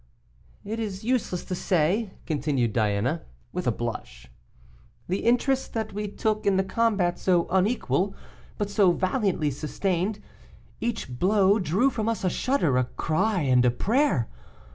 "It is useless to say," continued Diana, with a blush, "the interest that we took in the combat so unequal, but so valiantly sustained. Each blow drew from us a shudder, a cry, and a prayer.